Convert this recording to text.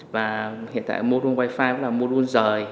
và hiện tại mô đun wi fi cũng là mô đun rời